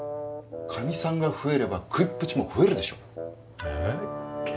カミさんが増えれば食いっぷちも増えるでしょ。え？